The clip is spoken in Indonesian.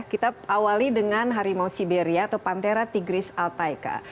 kita awali dengan harimau siberia atau pantera tigris altaika